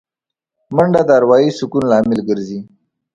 منډه د اروايي سکون لامل ګرځي